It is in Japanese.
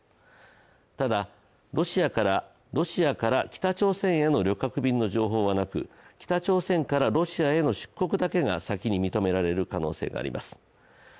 ただロシアから北朝鮮への旅客便の情報はなく北朝鮮からロシアへの出国だけが先に認められる可能性があります。